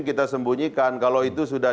kita sembunyikan kalau itu sudah